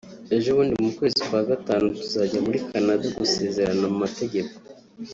ejobundi mu kwezi kwa Gatanu tuzajya muri Canada gusezerana mu mategeko